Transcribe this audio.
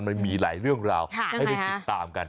มันมีหลายเรื่องราวให้ได้ติดตามกัน